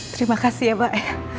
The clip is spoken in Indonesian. terima kasih ya pak